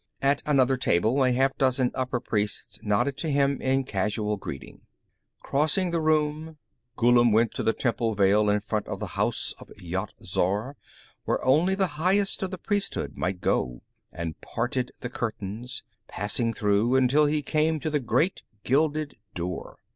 At another table, a half dozen upper priests nodded to him in casual greeting. Crossing the room, Ghullam went to the Triple Veil in front of the House of Yat Zar, where only the highest of the priesthood might go, and parted the curtains, passing through, until he came to the great gilded door.